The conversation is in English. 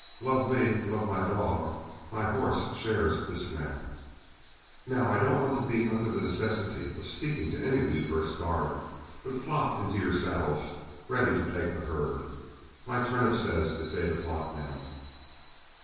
Love me, love my dog; my horse shares this snap. Now, I don't want to be under the necessity of speaking to any of you first guard, but flop into your saddles ready to take the herd. My turnip says it's eight o'clock now."